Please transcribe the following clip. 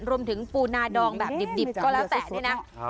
รวมถึงปูนาดองแบบดิบก็แล้วแต่เนี่ยนะ